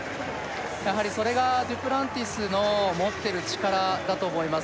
やはりそれがデュプランティスの持ってる力だと思います